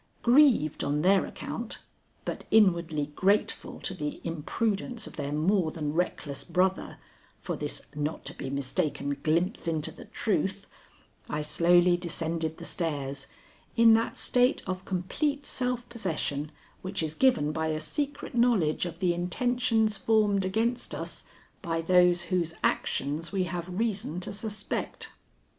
Grieved on their account, but inwardly grateful to the imprudence of their more than reckless brother, for this not to be mistaken glimpse into the truth, I slowly descended the stairs, in that state of complete self possession which is given by a secret knowledge of the intentions formed against us by those whose actions we have reason to suspect.